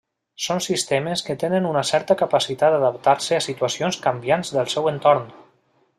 Són sistemes que tenen una certa capacitat d'adaptar-se a situacions canviants del seu entorn.